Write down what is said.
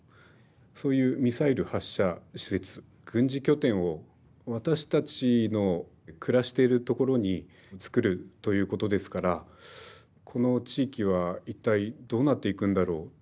そういうミサイル発射施設軍事拠点を私たちの暮らしているところに造るということですから「この地域は一体どうなっていくんだろう」。